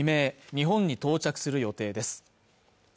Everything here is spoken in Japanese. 日本に到着する予定です